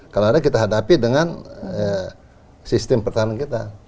kalau ada kita hadapi dengan sistem pertahanan kita